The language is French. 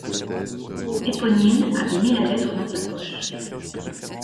Éponine avait mis la lettre dans sa poche.